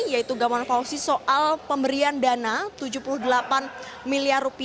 yaitu gamawan fauzi soal pemberian dana rp tujuh puluh delapan miliar